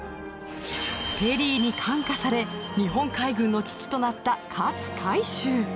ペリーに感化され日本海軍の父となった勝海舟。